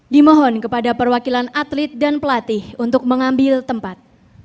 dimohon kepada perwakilan atlet dan pelatih untuk mengambil tempat